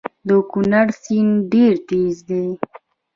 د کونړ سیند ډیر تېز دی